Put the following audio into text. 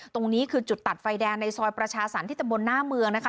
ตรงนี้คือจุดตัดไฟแดงในซอยประชาสรรคที่ตำบลหน้าเมืองนะคะ